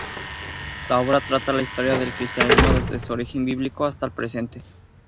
La obra trata la historia del cristianismo desde su origen bíblico hasta el presente.